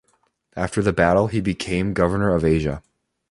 After the battle he became governor of Asia.